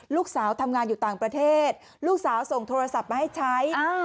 ลูกสาวทำงานอยู่ต่างประเทศลูกสาวส่งโทรศัพท์มาให้ใช้